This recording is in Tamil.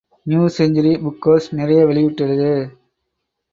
நியூசெஞ்சுரி புக்ஹவுஸ் நிறைய வெளியிட்டுள்ளது.